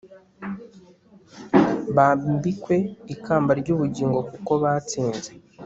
bambikwe ikamba ry'ubugingo kuko batsinze